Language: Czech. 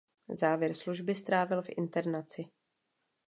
Závěr služby strávil v internaci.